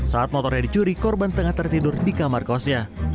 saat motornya dicuri korban tengah tertidur di kamar kosnya